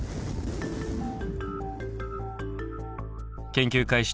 研究開始